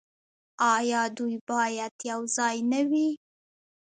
آیا دوی باید یوځای نه وي؟